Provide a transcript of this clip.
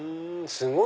すごい！